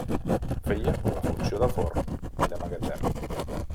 Feia la funció de forn i de magatzem.